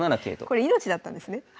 これ命だったんですね。